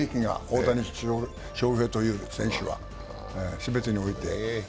大谷翔平という選手は全てにおいて。